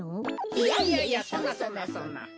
いやいやいやそんなそんなそんな。